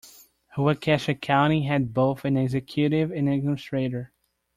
Waukesha County had both an executive and an administrator.